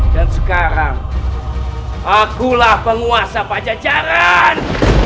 dan sekarang akulah penguasa pajajaran